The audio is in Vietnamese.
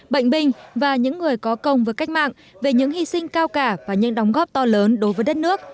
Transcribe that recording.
bệnh binh và những người có công với cách mạng về những hy sinh cao cả và những đóng góp to lớn đối với đất nước